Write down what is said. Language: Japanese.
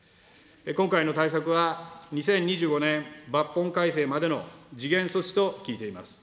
今回の対策は２０２５年抜本改正までの時限措置と聞いています。